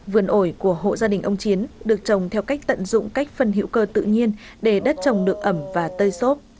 vườn ổi của hộ gia đình ông chiến được trồng theo cách tận dụng cách phân hữu cơ tự nhiên để đất trồng được ẩm và tơi xốp